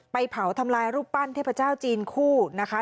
เผาทำลายรูปปั้นเทพเจ้าจีนคู่นะคะ